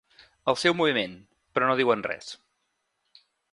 El seu moviment, però no diuen res.